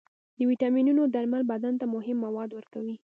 د ویټامینونو درمل بدن ته مهم مواد ورکوي.